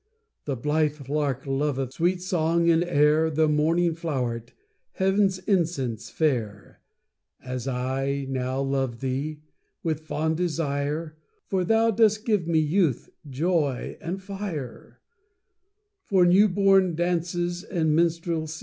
The blithe lark loveth Sweet song and air, The morning flow'ret Heav'n's incense fair, As I now love thee With fond desire, For thou dost give me Youth, joy, and fire, For new born dances And minstrelsy.